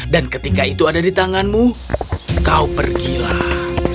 dan ketika itu ada di tanganmu kau pergilah